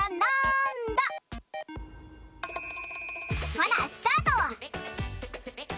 ほなスタート！